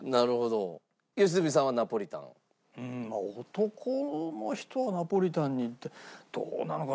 男の人はナポリタンにどうなのか？